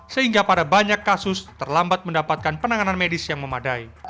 sehingga pada banyak kasus terlambat mendapatkan penanganan medis yang memadai